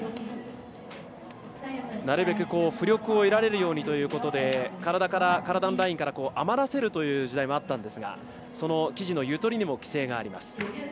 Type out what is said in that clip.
なるべく、浮力を得られるようにということで体のラインから余らせるという時代もあったんですがその生地のゆとりにも規制があります。